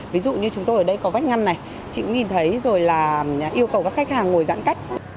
ví dụ như chúng tôi ở đây có vách ngăn này chị cũng nhìn thấy rồi là yêu cầu các khách hàng ngồi giãn cách